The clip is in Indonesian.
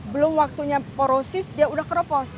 belum waktunya porosis dia udah keropos